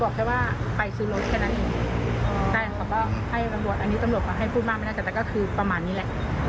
ขอบอกให้ต้องมองให้ภูมิมากหละก็คือประมาณนี้ละ